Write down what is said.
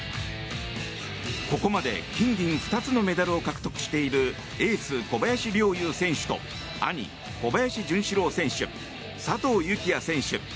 ここまで金銀２つのメダルを獲得しているエース、小林陵侑選手と兄・小林潤志郎選手佐藤幸椰選手